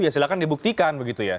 ya silahkan dibuktikan begitu ya